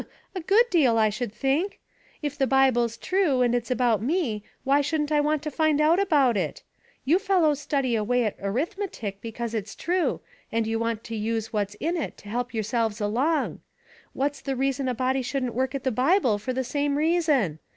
*' Humph ! a good deal, I should think. If the Bible's true, and it's about me, why shouldn't I want to find out about it ? You fellows study away at arithmetic because it's true, and you want to use what's in it to help yourselves along. What's the reason a body shouldn't work at the Bible for the same reason